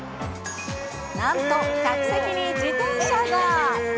なんと客席に自転車が。